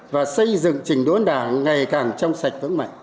và xây dựng trình đốn đảng ngày càng trong sạch